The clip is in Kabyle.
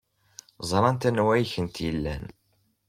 Ẓrant anwa ay kent-ilan.